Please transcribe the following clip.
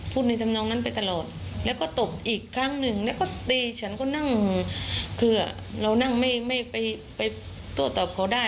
ในธรรมนองนั้นไปตลอดแล้วก็ตบอีกครั้งหนึ่งแล้วก็ตีฉันก็นั่งคือเรานั่งไม่ไม่ไปโต้ตอบเขาได้